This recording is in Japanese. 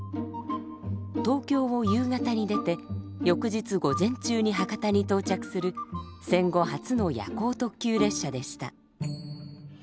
東京を夕方に出て翌日午前中に博多に到着する戦後初の夜行特急列車でした。